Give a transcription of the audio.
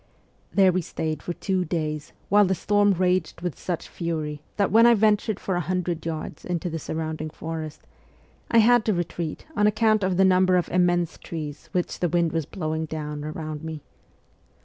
There we stayed for two days while the storm raged with such fury that when I ventured for a few hundred yards into the surrounding forest, I had to retreat on account of the number of immense trees which the wind was blowing down round me.